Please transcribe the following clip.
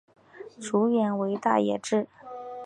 主演为大野智。